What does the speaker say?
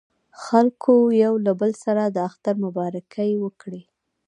خلکو یو له بل سره د اختر مبارکۍ وکړې.